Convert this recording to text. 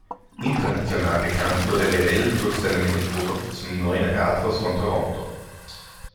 International bekannt wurde Revell durch seinen Entwurf zum Neuen Rathaus von Toronto.